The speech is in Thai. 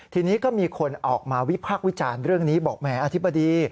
ทีนี้ก็มีคนออกมาวิพากษ์วิจารณ์เรื่องนี้บอกแหมอธิบดี